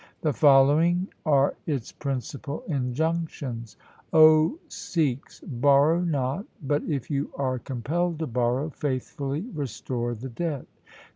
The following are its principal injunctions :' O Sikhs, borrow not, but, if you are compelled to borrow, faithfully restore the debt.